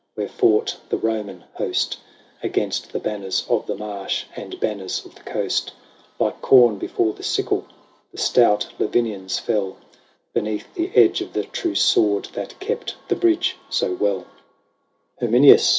Where fought the Roman host. Against the banners of the marsh And banners of the coast. Like com before the sickle The stout Lavinians fell. Beneath the edge of the true sword That kept the bridge so weU. XXIV. " Herminius